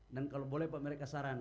dan kalau boleh pak mereka saran